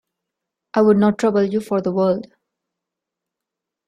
I would not trouble you for the world.